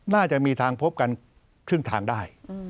น่าจะมีทางพบกันครึ่งทางได้